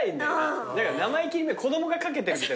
生意気子供が掛けてるみたい。